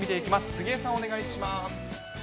杉江さん、お願いします。